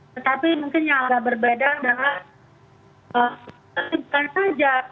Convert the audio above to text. tetapi mungkin yang agak berbeda adalah